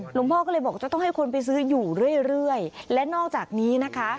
พ่อก็เลยบอกจะต้องให้คนไปซื้ออยู่เรื่อยเรื่อยและนอกจากนี้นะคะ